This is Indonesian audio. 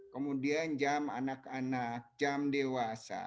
kemudian jam anak anak jam dewasa